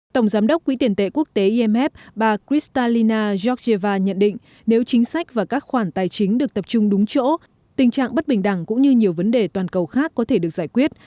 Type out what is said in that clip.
tổng giám đốc quỹ tiền tệ quốc tế imf bà kristalina georgeva nhận định nếu chính sách và các khoản tài chính được tập trung đúng chỗ tình trạng bất bình đẳng cũng như nhiều vấn đề toàn cầu khác có thể được giải quyết